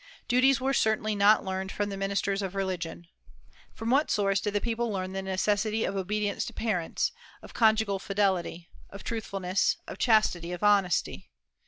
Duties were certainly not learned from the ministers of religion. From what source did the people learn the necessity of obedience to parents, of conjugal fidelity, of truthfulness, of chastity, of honesty?